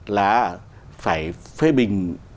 là phải phê bình